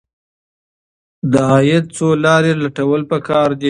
د عاید څو لارې لټول پکار دي.